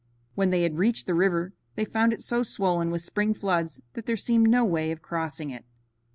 When they had reached the river they found it so swollen with spring floods that there seemed no way of crossing it.